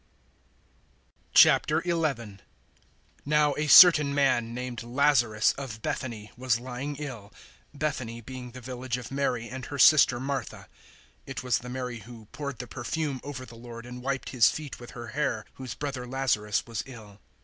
011:001 Now a certain man, named Lazarus, of Bethany, was lying ill Bethany being the village of Mary and her sister Martha. 011:002 (It was the Mary who poured the perfume over the Lord and wiped His feet with her hair, whose brother Lazarus was ill.)